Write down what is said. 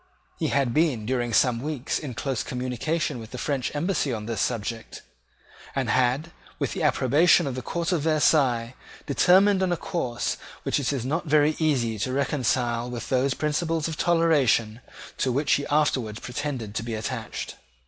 He had been, during some weeks, in close communication with the French embassy on this subject, and had, with the approbation of the court of Versailles, determined on a course which it is not very easy to reconcile with those principles of toleration to which he afterwards pretended to be attached.